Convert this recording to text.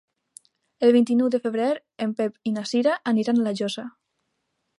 El vint-i-nou de febrer en Pep i na Cira aniran a La Llosa.